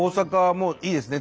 もういいですね？